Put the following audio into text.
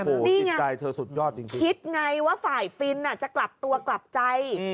นี่ไงคิดไงว่าฝ่ายฟิลล์จะกลับตัวกลับใจ